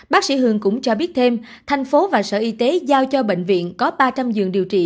bác sĩ hương cũng cho biết thêm thành phố và sở y tế giao cho bệnh viện có ba trăm linh giường điều trị